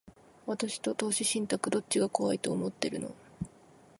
私と投資信託、どっちが怖いと思ってるの？